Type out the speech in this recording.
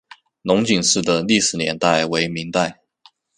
龙井寺的历史年代为明代。